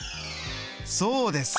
そうです